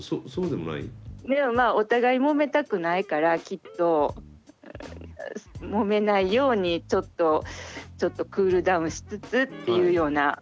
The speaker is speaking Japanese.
でもまあお互いもめたくないからきっともめないようにちょっとちょっとクールダウンしつつっていうような。